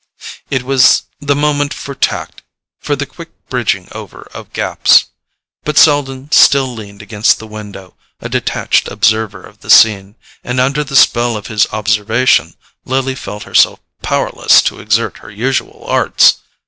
It was the moment for tact; for the quick bridging over of gaps; but Selden still leaned against the window, a detached observer of the scene, and under the spell of his observation Lily felt herself powerless to exert her usual arts.